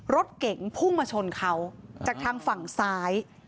รถเก่งพุ่งมาชนเขาจากทางฝั่งซ้าย